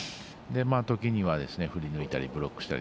時には振り抜いたりブロックしたり。